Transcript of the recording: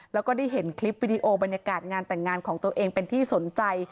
แล้วก็ได้เห็นคลิปวิดีโอบรรยากาศงานแต่งงานของตัวเองเป็นที่สนใจ